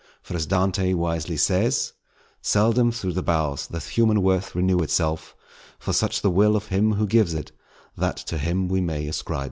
For as Dante wisely says:— "Seldom through the boughs Doth human worth renew itself; for such The will of Him who gives it, that to Him We may ascribe it."